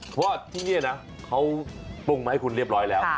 เพราะว่าที่นี่นะเขาปรุงมาให้คุณเรียบร้อยแล้ว